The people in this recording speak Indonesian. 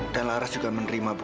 dan laras juga menerima bu